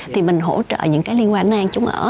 thì mình hỗ trợ những cái liên quan đến nơi ăn chống ở